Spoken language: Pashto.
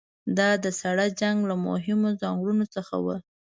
دا د ساړه جنګ له مهمو ځانګړنو څخه وه.